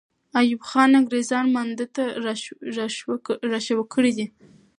ایوب خان انګریزان مانده ته را شوه کړي دي.